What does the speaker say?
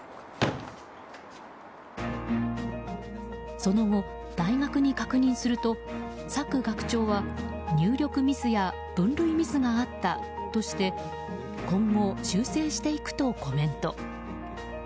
その後、大学側に確認すると朔学長は入力ミスや分類ミスがあったとして今後修正していくとコメント。